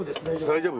大丈夫？